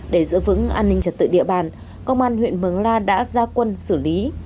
để giữ vững an ninh trật tự địa bàn công an huyện mường la đã ra quân xử lý